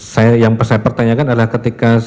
saya pertanyakan adalah ketika